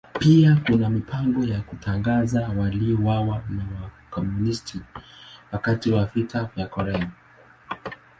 Pia kuna mipango ya kutangaza waliouawa na Wakomunisti wakati wa Vita vya Korea.